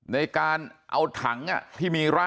ในการเอาถังที่มีร่างปลอดภัย